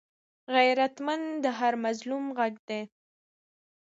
غیرتمند د هر مظلوم غږ دی